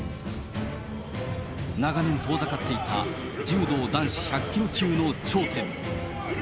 長年遠ざかっていた柔道男子１００キロ級の頂点。